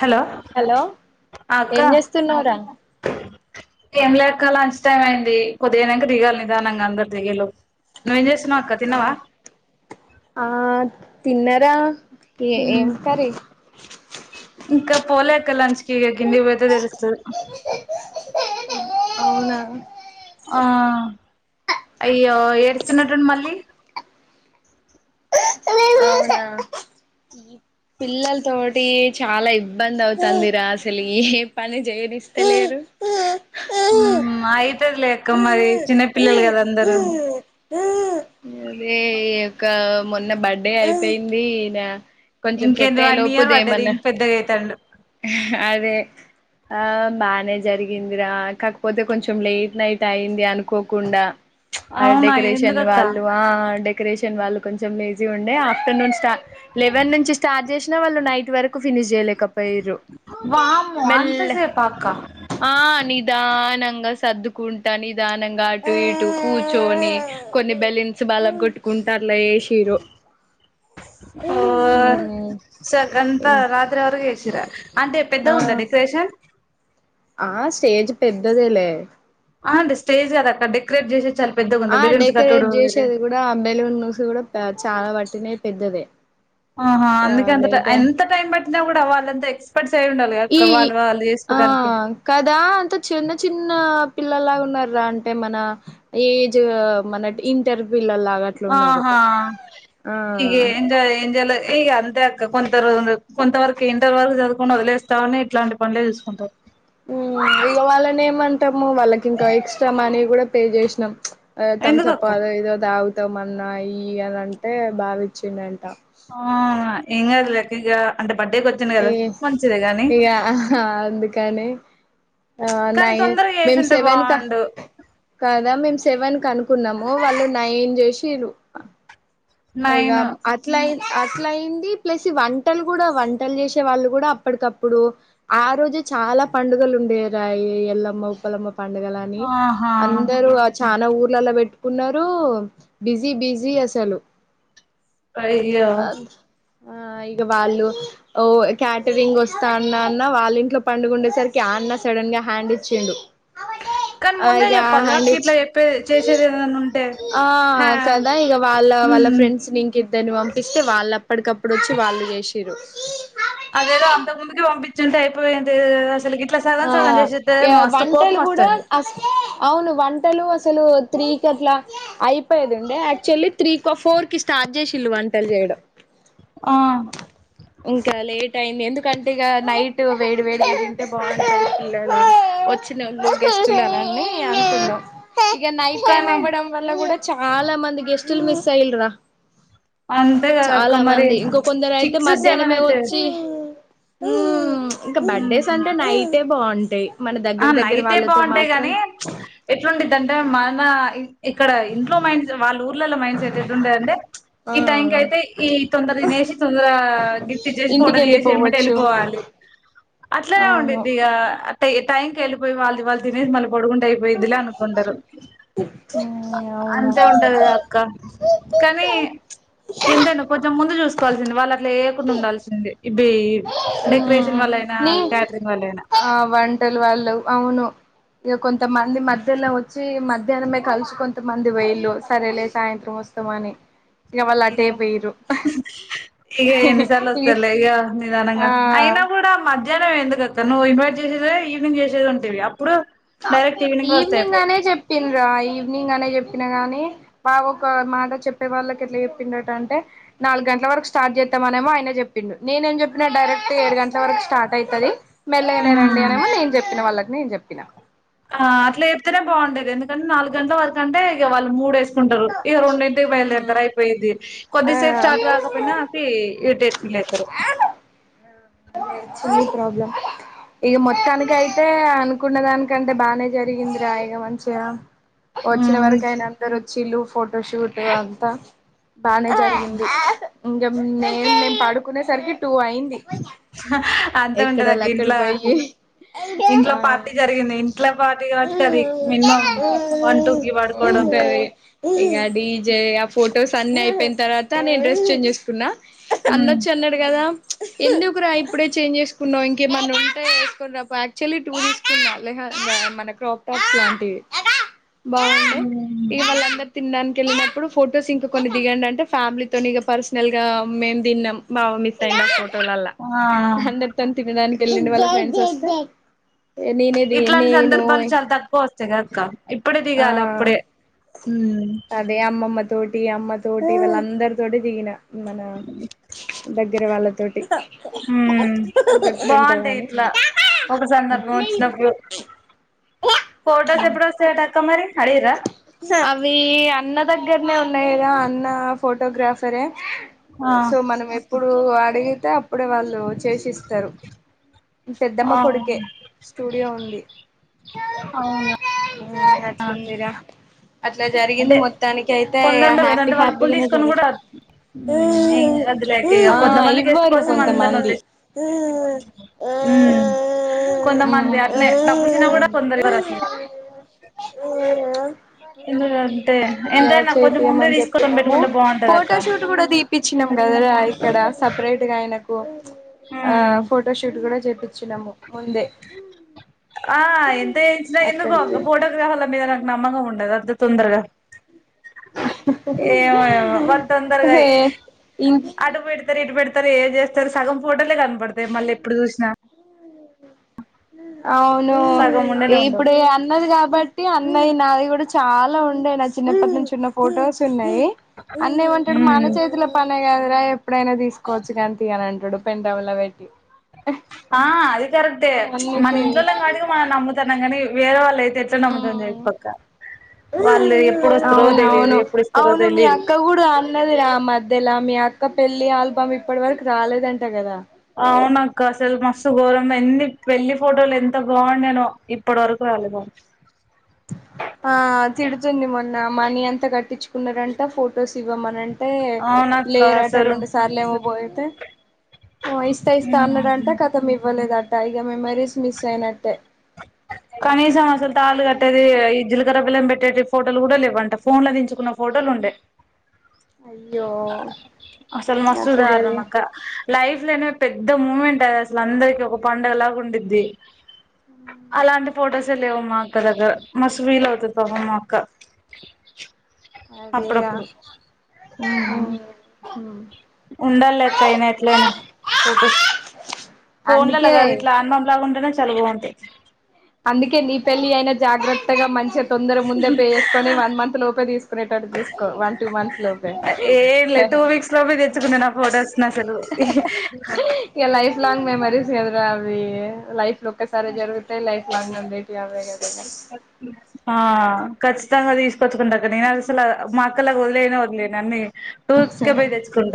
Hello hello ఆ అక్క ఏం చేస్తున్నవురా ఏం లేక్క లంచ్ టైం అయింది కొద్దిగైనంకా దిగాలి నిదానంగా అందరు దిగేలోపు నువ్వేం చేస్ ఆ తిన్నరా ఏ ఏం కర్రీ ఇంకా పోలే అక్క లంచ్ దిగి కిందికి పోతే తెలుస్త తిన్నా అవునా ఆ అయ్యో ఏడుస్తున్నట్టుంది మళ్ళీ అవునా పిల్లల తోటి చాలా ఇబ్బంది అవుతందిరా అసలు ఏ పని చేయనిస్తలేరు, హ్మ్ అయితదిలే అక్క మరి చిన్నపిల్లలు కదా అందరూ అదే ఇ గా మొన్న బర్డే ఐపోయింది నా. కొంచెం సెట్ ఇంకేంది అయ్యే వన్ లోపు ఇయర్ పడ్డది దేమన్న ఇంక పెద్దగా అయితాండు హా అదే ఆ బానే జరిగిందిరా కాకపోతే కొంచెం లేట్ నైట్ అయింది అనుకోకుండా ప్చ్ ఆ అవునా డెకరేషన్ ఎందుకక్క వాళ్ళు ఆ డె డేకరేషన్ వాళ్ళ కొంచెం లేజి ఉండే ఆఫ్టర్నోన్ స్టార్ లెవెన్ నుంచి స్టార్ట్ చేసినా వాళ్ళు నైట్ వరకు ఫినిష్ చేయలే కపోయిర్రు వామ్మో మెల్ల అంతసేపా అక్క ఆ నిదానంగా గా సర్దుకుంట నిదానంగా అటు ఇటు కూర్చొని కొన్ని బెలున్స్ పలగొట్టుకుంటా లేసిర్రు ఓ హ్మ్ స గంత రాత్రి వరకు చేసి ర్రా అంటే ఆ పెద్దగుందా డెకరేషన్ ఆ స్టేజ్ పెద్దదేలే ఆ అంటే స్టేజ్ కాదు అక్క డెకరేట్ చేసేది ఆ డెకరేట్ చేసేది కూడా బెలూన్స్ కూడా ప్యాచ్ చాలా పట్టినయి పెద్దదే ఆహా ఆ అందుకేంత టైం లేదా అంత టైం పట్టినా కూడా వాళ్లంతే ఎస్పర్ సి [unintelligible] ఈ ఆ కదా అంత చిన్న చిన్న చిన్న పిల్లలాగా ఉన్నార్ర అంటే మన ఏజ్ మన ఇంటర్ పిల్లలాగా అట్లా ఉన్నారు ఆహా ఆ ఎంగాలే ఎంగాలే ఇక అంతే అక్క కొంత [unintelligible] కొంతవరకు ఇంటర్ వరకు చదువుకుండా వదిలేస్తావాని ఇట్లాంటి పనులే చూసుకుంటారు ఉమ్ ఇక వాళ్ళనే ఏమంటాము వాళ్ళకి ఇంకా ఎక్స్ట్రా మనీ కూడా పే చేసినాం ఆ ఎందుకు తమ్సప్ అక్క అద ఇద తాగుతామని ఉన్నాయి అనంటే భావిచ్చుండంటా ఆ ఏంగాదులే ఇక అంటే బర్డేకి వచ్చాను ఏ కదా మంచిదిగానీ కానే ఆ నైన్ తొందరగా మేం చేసుంటే సెవెన్ కా బాగుండు కాదా మేము సెవెన్ క అనుకున్నాము వాళ్ళు నైన్ చేసిర్రు నైన్ ఇగం అట్లయ్ అట్లా అయింది ప్లస్ ఈ వంటలు కూడా, వంటలు చేసే వాళ్ళు కూడా అప్పటికప్పుడు ఆ రోజే చాలా పండుగలు ఉండేరా ఈ ఎల్లమ్మ ఉప్పలమ్మ. పండగలని ఆహా అందరు అచ్ చనా ఊర్లలా పెట్టుకున్నరు బిజీ బిజీ అసలు. అయ్యో ఆ ఇక వాళ్ళుఓ క్యాటరింగ్ వస్తా అన్నా అన్న వాళ్ళ ఇంట్లో పండుగ ఉండేసరికి ఆ అన్న సడన్ గా హ్యాండ్ ఇచ్చిండు కానీ ముందే చెప్పాలిగా అక్క ఇట్లా చెప్పే చేసేది ఏదన్నా ఉంటే ఆ హా కదా ఇగ వాళ్ళ వాళ్ళ ఉమ్ ఫ్రెండ్స్ నీకే దాన్ని పంపిస్తే వాళ్ళుప్పటికప్పుడు వచ్చి వాళ్ళు చేసిరు అదేదో అంత ముందుకే పంపించుంటే అయిపోయి ఉండేది కద అసలుకి ఆ యా వంటలు కూడా వస్తది అస అవును వంటలు అసలు త్రీకి అట్లా అయిపోయేదుండే యాక్చువల్లీ త్రీ ఫోర్ కి స్టార్ట్ చేసిలు వంటలు చేయడం ఆ ఇంకా లేట్ అయింది ఎందుకంటే ఇక నైట్ వేడి వేడిగా తింటే బాగు [unintelligible] వచ్చినోళ్ళు గెస్టులేనని అనుకున్నాం ఇక నైట్ టైమ్ కానీ అవ్వడం వల్ల కూడా చాలా మంది గెస్ట్లు మిస్ అయిల్రా అంతే కదా అక్క మరి కొందరు సిక్స్ సెవెన్ అయితే హ్మ్ ఇంక బర్డేస్ అం అయితే బావుంటయి ఆ నైటే బావుంటాయి గాని ఎటువంటి ఏంటంటే మన ఇక్కడ ఇంట్లో మైండ్ సె వాళ్ళ ఊర్లలో మైండ్ సెట్ ఎట్లుంటదంటే ఈ టైం కి ఆ అయితే ఈ తొందర తినేసి తొందర గిఫ్ట్ ఇచ్చేసి ఇంటికి ఫోటో దిగేసి ఏమ్మటే వెళ్ళిపోవచ్చు వెళ్ళిపోవాలి అట్లనే అవును ఉండిద్దిగా ట టైంకి వెళ్ళిపోయి వాళ్ళది వాళ్ తినేసి మళ్ పొడుకుంటే అయిపోద్దిలే అనుకుంటరు మ్మ్ అవును కానీ ఎంతైనా కొంచెం ముందు చూసుకోవాల్సింది వాళ్ళు అట్లా చేయకుండా ఉండాల్సింది ఇవి డెకరేషన్ మ్మ్ వాళ్ళయినా నీ క్యాటరింగ్ వాళ్ళయినా ఆ వంటలు వాళ్ళు అవును ఇక కొంతమంది మధ్యలో వచ్చి మధ్యాహ్నమే కలిసి కొంతమంది వీళు సరేలే సాయంత్రం వస్తామని ఇక వాళ్ళు ఇగ అటే పోయిర్రు ఇగ ఎన్నిసార్లు వస్తారులే ఇగ ఆ నిదానంగా అయినా కూడా మధ్య మధ్యాహ్నమే ఎందుకు అక్కా నువ్వు ఇన్వైట్ చేసేదే ఈవినింగ్ చేసేది ఉంటివి ఇప్పుడు డైరెక్ట్ ఈవినింగ్ వస్తాయి పో చెప్పిన్ రా ఈవినింగ్ అనే చెప్పినా గాని బావ ఒక మాట చెప్పే వాళ్ళకి ఎట్లా చెప్పిండట అంటే నాలుగు గంటల వరకు స్టార్ట్ చేద్దమనేమో ఆయన చెప్పిండు నేనే ఏం చెప్పినా డైరెక్ట్ ఏడు గంటల వరకు స్టార్ట్ అయితది మెల్లయినా రండి అయిపోవు అనేమో నేను చెప్పిన వాళ్ళకి నేన్ జెప్పిన ఆ అట్లా చెప్తేనే బాగుండేది ఎందుకంటే నాలుగు గంటల వరకుంటే ఇగ వాళ్ళు మూడ వేస్ కుంటారు ఇక రెండింటికి ఉమ్ బయలుదేరతారు అయిపోయిద్ధి కొద్దిసేపు స్టార్ట్ ఆ కాకపోయినా అది ఇరిటేట్ ఫీల్ అయితరు ఇగ మొత్తానికి అయితే అనుకున్న దానికంటే బానే జరిగిందిరా ఇగ మంచిగా వచ్చిన హ్మ్. వరకు అయిన అందరూ చిలు ఫోటోషూట్ అంతా బానే జరిగింది ఇంగ నేం మేమ్ పడు కునేసరికి టూ అయ్యింది అంతే ఎక్కడోళ్లు ఉంటదక్క అక్కడ ఇంట్ల బొయ్యి ఇంట్లో ఆ పార్టీ జరిగింది. ఇంట్లో పార్టీ కాబట్టి అది మినిమం పడుకోవడం. ఉంటది ఇంగ డీజే ఆ ఫోటో స్ అన్ని అయిపోయిన తర్వా నేను డ్రెస్ చేంజ్ చేసుకున్నా హ్మ్. అన్నొచ్చి అన్నాడు గదా ఎందు కురా ఇప్పుడే చేంజ్ చేసుకున్నావ్ ఇంకేమన్నా ఉంటే ఏసుకునిరాపో యాక్చుల్లీ టూ తీసుకున్నా లెహంగా మన క్రాప్ టాప్ లాంటివి బాండే హ్మ్. ఇగ వాళ్ళ తిండానికి వెళ్ళినప్పుడు ఫొటోస్ ఇంకా కొన్ని దిగండి అంటే ఫ్యామిలీతోని పర్సనల్ గా మేము దిన్నాం బావ మిస్ అయ్యుండు ఆ ఫోటోలల్లా ఆ! అందరితో ని తిట్టడా ఎల్లిండు వాళ్ళ ఫ్రెండ్స్ వొస్తే ఎ నేనేది నేనోయ్ జగ కా ఇప్పుడే దిగాలి అప్పుడే అదే అమ్మమ్మ తోటి అమ్మ తోటి వాళ్ళ అందరితోటి దిగిన మన దగ్గర వాళ్ళతోటి హ్మ్. గుర్తుంటది బావుంటాయి అని ఇట్లా ఒక సందర్భం వచ్చినప్పుడు. ఫొటోస్ ఎప్పుడు వస్తాయటక్క మరి అడిగిర్రా అవి అన్న దగ్గరనే ఉన్నాయి కదా అన్న ఫోటోగ్రాఫరే ఆ సో మనం ఎప్పుడు అడిగి తే అప్పుడే వాళ్ళు చేసిస్తారు పెద్దమ్మ కొడుకే స్టూడియో ఉంది అవునా, ట్లుందిరా అట్లా జరిగింది అంటే మొత్తానికి అయితే కొందరు హ్యాపీ ఏంటంటే వాళ్ళు డబ్బులు హ్యాపీగానే తీసుకొని జరి కూడా ఏం వద్దులేక ఇగ కొంతమంది హ్మ్ కొంతమంది అట్లే డబ్బిచ్చిన కూడా కొందరు ఇవ్వరు అసలు ఎందుకంటే గ ఎంతైనా కొంచెం ముందే చేపియమని తీసుకొని చెప్పినాము పెట్టుకుంటే బాగుంటది అక్క ఫోటో షూట్ గూడా తీపిచ్చినాం కదరా ఇక్కడ సపరేట్ గా అయి నకు ఆ ఉమ్ ఫోటోషూట్ గూడా జ ఆ ఎంత ఇచ్చినా ఎందుకో అక్కడికి ఫోటోగ్రాఫ్ర్ల మీద నాకు నమ్మకం ఉండదు అద్ద తొందరగా ఏమో ఏమో వాళ్ళ తొందరగా హే ఇం అటు పెడతారు, ఇటు పెడతారు తరు ఏం చేస్తారు సగం పొ పెళ్లే కనపడతే మళ్ళి ఎప్పుడు చూసినా ఉ అవును సగం ఉండనే ఉండవు ఇప్పుడు అన్నది కాబట్టి అన్నయి నాది కూడా చాలా ఉండే న చిన్నప్పటి నుంచి ఉన్నం ఫొటోస్ ఉన్నాయి అన్న ఏమంటడు మన ఉమ్ చేతుల పనే కాదురా ఎప్పుడైనా తీసుకోవచ్చు కానీ తీయ్యనం ఎడుపెంటవుల వెట్టి ఆ అది కరెక్టే తే చ్ మన ఇంట్లోని వాటికి మనం నమ్ముతున్నాం. కానీ వేరే వాళ్ళ అయితే తెచ్చడం దజె ప్పక ఉహుహు అవునవును ఇస్తారో అవును మీ తెలీదు అక్క కూడా అన్నది రా మధ్యలా మీ అ అక్క పెళ్ళి ఆల్బమ్ ఇప్పటి వరకు రాలేదంట కదా. అవునాక్క అసలు మస్తు ఘోరం ఎన్ని పెళ్లి ఫోటోలు ఎంత బావుండేనో ఇప్పటి వరకు రాలేదు అక్క. ఆ తిడుతుంది మొన్న మనీ అంత కట్టించుకున్నారంట ఫొటోస్ ఇవ్వమనింటే టే అవునక్క లేరట అసలు రెండు సార్లు ఏమో పోయితే ఓ ఇస్తా ఇస్తా అన్నాడంట కథం ఇవ్వలేదంట. ఇ మెమరీస్ మిస్ అయినట్టే. కనీసం అసలు తాలి కట్టేది ఇజ్జలు దల పిల్లం పెట్టేటి ఫోటోలు కూడా లేవంట ఫోన్ లో నించుకున్న ఫోటోలు ఉండే. అయ్యో అసలు మస్తు అట్లా ధారుణం జరిగి అక్క లైఫ్ లోనే పెద్ద మూమెంట్ టే అసలు అందరికి ఒక పండుగ లాగా ఉండిద్ది. అలాంటి ఫొటోసె లేవు మా అక్క దగ్గర మస్తు ఫీల్ అవుతుంది పాపం మా అక్క. అదేరా అప్పుడుప్పుడు ఉ ఉ ఉండాలి లెక్క అయినా ఎట్లయినా ఫోటోస్ ఫోన్లలో అందుకే కాదు ఇట్లా ఆన్మాంలాగా ఉంటేనే చాల బవుంటాయి అందుకే నీ పెళ్లి అయినా జాగ్రత్తగా మంచం తొందర ముందే పే చేసుకొని వన్ మంత్ లోపే తీసుకునేటటు చూసుకో వన్ టూ మంత్స్ లోపే ఏం హే లేదు టూ హేహే వీక్స్ లోపే తెచ్చుకుంటా నా ఫొటోస్ ని అసలు ఇక లైఫ్ లాంగ్ మెమరీస్ కదురా అవి లైఫ్ లో ఒక్కసారి జరుగుతాయి లైఫ్ బగ్నం నేటి అవె హా. కచ్చితంగా తీసుకొచ్చుకుంటా అక్క, నేను అసల మా అక్కలకు వదిలేనే వదిలేను అన్నీ. టూస్క పోయి తెచ్చుకుంట,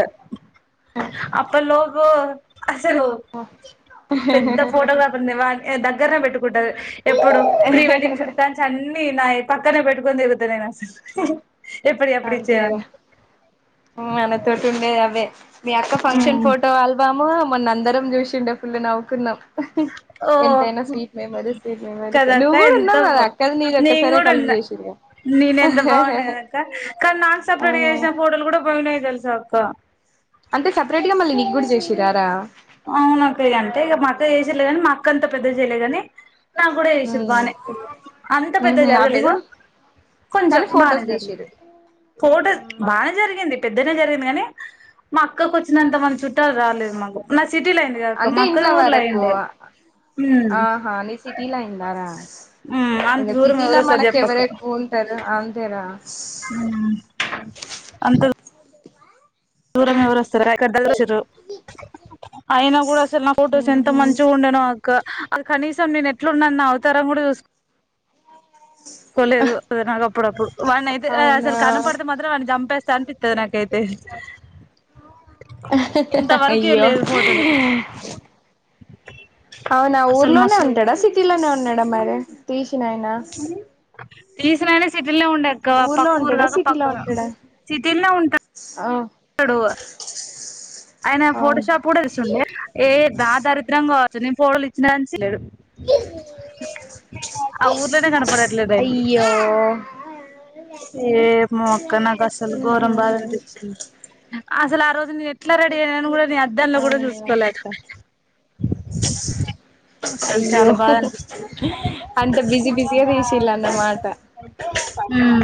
అప్పట్లోపు. అసలు, పెద్ద ఫోటోగ్రాఫర్ నే వాడ్. ఏ దగ్గరనే బెట్టు. బుడ్డది ఎప్పుడు. ప్రీ వెడ్డింగ్ షూట్స్, కంచి అన్ని నామ్. పక్కనే పెట్టుకొని తిరుగుతా, నేను అసలు. ఎప్పుడ్ ఎప్పుడ్ ఇచ్చైరా అని. తోటుండే అవే. మీ అక్క ఫంక్షన్ ఫోటో ఆల్బమ్. వామో, మొన్న అందరం జూశిందే. ఫుల్ నవుకున్నం. ఆహా, ఓ ఎంతైనా స్వీట్ మెమోరీస్, స్వీట్ మెమోరీస్ ఏ. కదక్క నువ్వు కూడా ఎంత ఉన్నావ్ కదా అక్కడిది. నీది నేను ఒకసారే కూడా కలిసి ఉన్నా జేశిర్ ఇగ. ఆహ్ హాహాహా. కాన్ నాన్ సపరేట్ జేశిన ఫోటోలు, కూడా పోయినై. పోయినై, తెలుస అక్కా. అంటే సపరేట్ గా మల్లి నీ కూడా జేశిర్ రారా. అవున అక్క, అంటే ఇగా మా అక్క, జేసిర్లే కాని మా అక్క అంతా పెద్దగ చేయలేదు గానీ. నా కూడా జేశిర్ బానే, అంత పెద్దగ ఉహు అవి జరగలేదు, కూడా కొంచెం కానీ బానె ఫొటోస్ జరిగింది. తీసిరు ఫోటోస్ బానే జరిగింది. పెద్దగనే జరిగింది గని, మా అక్కకు వచ్చినంత చుట్టాలు రాలేదు మాకు. నా సిటీలో అయింది కాదక్క అంటే మా అక్కది ఇంట్లో ఊర్లో వరకు అయిండే ఆ, ఉమ్ ఆహా ని సిటీలో అయిందారా? ఉమ్ అంత దూరం సిటీలో ఎవరోస్తారు మనక్, ఎవరు ఎక్కువ ఉంటారు. అంతేరా! హ్మ్మ్, అంత దూ. దూరం ఎవరు వస్తార్ రా? ఇక్కడ దగ్గర [unintelligible] వచ్చిరు. అయిన కూడా స్కూ. చిన్న ఫోటోస్, ఎంత ఉహు మంచిగ ఉండెనొ అక్క? అన్ కనీసం, నేను ఎట్లున్న నా అవతారం కూడా జూస్క్. కొలేదు. [unintelligible] అప్పుడప్పుడు. వాన్ అయితే, అసలు అవునా కనపడితే మాత్రం వాన్ని జంపేస్. కన్పితది నాకైతే. ఆహా! హా హా, ఇంతవరకే అయ్యో! లేదు ఫోటోలు అవునా, అసలు ఊర్లోనె మస్తు ఉంటాడా? సిటీలోనె ఉన్నాడ మరి? చిన్నాయ్న. తీస్ రాని సెట్ సిటీల్లో ఉండె అక్క పక్క ఊరు కాక సిటీలో పక్క ఉంటాడా సిటీల్లో ఉంటా ఆ తడువ ఆయన ఫోటో అవును షాప్ కూడ తిస్తుండే ఏ దా దరిద్రంగా నేను ఫోటోలు ఇచ్చినాల్నుంచి లేడు ఆ ఊర్లోనే కనపడట్లేదు ఆయన అయ్యో ఏమో అక్క నాకు అసలు ఉహు ఘోరం బాధనిపించింది అసలు ఆ రోజు నేను ఎట్లా రెడీ అయినానొ కూడ నేను అద్దంలొ కూడ అవునా చూసుకోలె అక్క అసలు అయ్యో చాలా బాధ అనిపిస్తుంది అంత బిజీ కూడా బిజిగా తీసిలన్న మాట ఉమ్